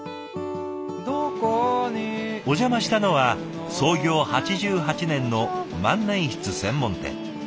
お邪魔したのは創業８８年の万年筆専門店。